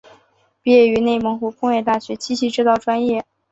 毕业于内蒙古工业大学机械制造专业。